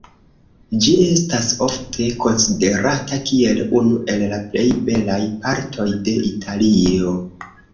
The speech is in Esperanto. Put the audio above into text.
Ĝi estas ofte konsiderata kiel unu el la plej belaj partoj de Italio.